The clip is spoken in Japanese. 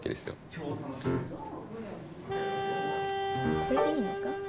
これでいいのか？